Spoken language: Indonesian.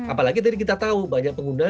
apalagi tadi kita tahu banyak pengguna